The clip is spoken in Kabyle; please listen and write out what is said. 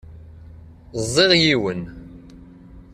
Ẓẓiɣ yiwen.